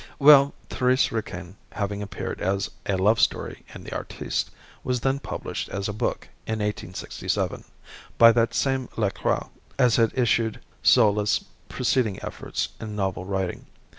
Well, "Thérèse Raquin" having appeared as "A Love Story" in the "Artiste," was then published as a book, in 1867, by that same Lacroix as had issued Zola's preceding efforts in novel writing.